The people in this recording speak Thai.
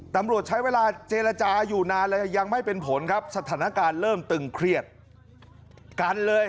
ตำรวจใช้เวลาเจรจาอยู่นานเลยยังไม่เป็นผลครับสถานการณ์เริ่มตึงเครียดกันเลย